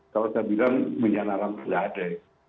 kalau saya bilang menjana alam tidak ada